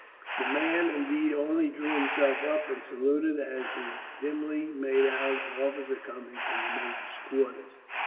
The man, indeed, only drew himself up and saluted, as he dimly made out an officer coming from the major's quarters.